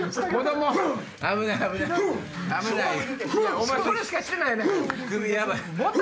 お前それしかしてないやないか。